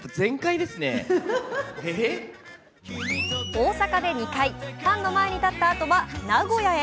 大阪で２回、ファンの前に立ったあとは名古屋へ。